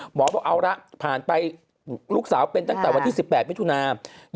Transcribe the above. หมอบอกเอาละผ่านไปลูกสาวเป็นตั้งแต่วันที่๑๘มิถุนา